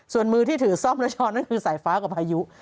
ส่วนมือที่ถือซ่อมและช้อนนั่นคือสายฟ้ากับพายุ